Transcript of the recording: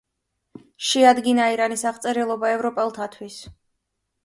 შეადგინა ირანის აღწერილობა ევროპელთათვის.